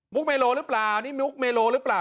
เมโลหรือเปล่านี่มุกเมโลหรือเปล่า